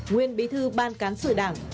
nguyên bí thư ban cán sử đảng